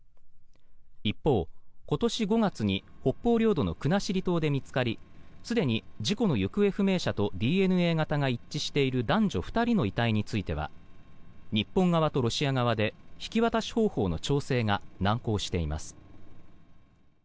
一方、今年５月に北方領土の国後島で見つかりすでに事故の行方不明者とＤＮＡ型が一致している男女２人の遺体については日本側とロシア側で引き渡し方法の調整が難航しています。